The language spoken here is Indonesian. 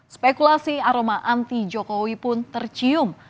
spekulasi aroma anti jokowi pun tercium